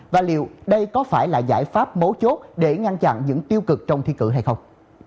và liệu đây có phải là giải pháp mấu chốt để ngăn chặn những tiêu cực trong thi cử hay không